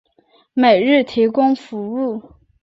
每日提供服务。